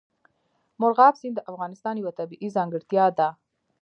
مورغاب سیند د افغانستان یوه طبیعي ځانګړتیا ده.